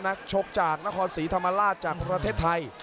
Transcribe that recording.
นักชกจากนครศรีธรรมราชจากประเทศไทย